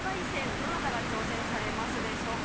どなたが挑戦されますでしょうか？